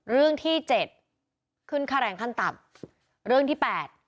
เรื่องที่เจ็ดขึ้นค่าแรงขั้นต่ำเรื่องที่แปด